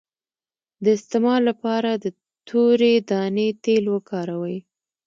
د استما لپاره د تورې دانې تېل وکاروئ